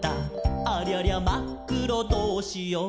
「ありゃりゃ、まっくろどうしよー！？」